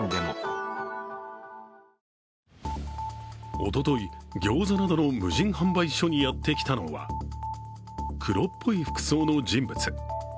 おととい、ギョーザなどの無人販売所にやってきたのは黒っぽい服装の人物。